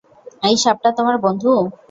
এই সাপটা তোমার বন্ধু?